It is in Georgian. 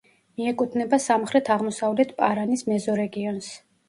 მიეკუთვნება სამხრეთ-აღმოსავლეთ პარანის მეზორეგიონს.